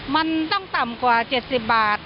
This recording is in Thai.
มันต้องต่ำกว่า๗๐บาท